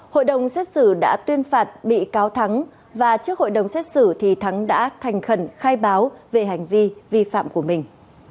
hội đồng xét xử đã tuyên phạt bị cáo thắng và trước hội đồng xét xử thì thắng đã thành khẩn khai báo về hành vi vi phạm của mình